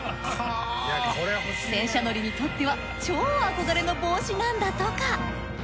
戦車乗りにとっては超憧れの帽子なんだとか。